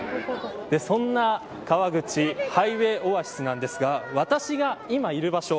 そんな川口ハイウェイオアシスなんですが私が今いる場所